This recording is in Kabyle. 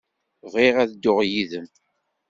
Bɣiɣ ad dduɣ yid-m.